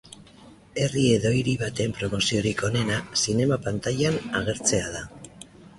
Herri edo hiri baten promoziorik onena zinema-pantailan agertzea da.